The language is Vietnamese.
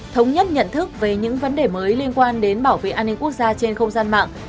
thống nhất nhận thức về những vấn đề mới liên quan đến bảo vệ an ninh quốc gia trên không gian mạng